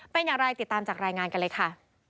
เป็นอย่างไรติดตามจากรายงานกันเลยค่ะ